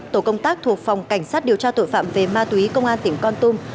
tổ công tác thuộc phòng cảnh sát điều tra tội phạm về ma túy công an tỉnh con tum